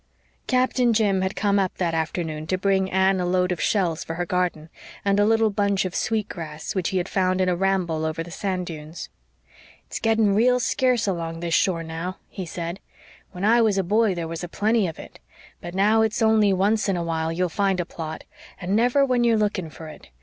Captain Jim had come up that afternoon to bring Anne a load of shells for her garden, and a little bunch of sweet grass which he had found in a ramble over the sand dunes. "It's getting real scarce along this shore now," he said. "When I was a boy there was a plenty of it. But now it's only once in a while you'll find a plot and never when you're looking for it.